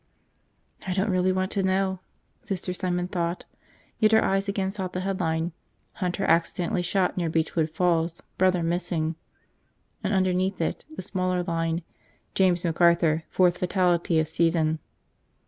I don't really want to know, Sister Simon thought; yet her eyes again sought the headline, "Hunter Accidentally Shot Near Beechwood Falls, Brother Missing," and underneath it the smaller line, "James McArthur, Fourth Fatality of Season."